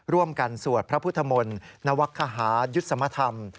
ร่วมกันสวดพระพุทธมนต์นวัคฮายุทธสมธรรม